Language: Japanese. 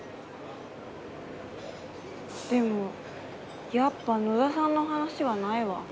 でもやっぱ野田さんの話はないわ。